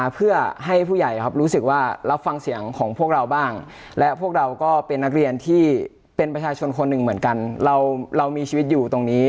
เป็นประชาชนคนหนึ่งเหมือนกันเรามีชีวิตอยู่ตรงนี้